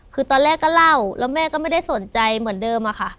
คือตอนแรกก็เล่าแล้วแม่ก็ไม่ได้สนใจเหมือนเดิมอะค่ะ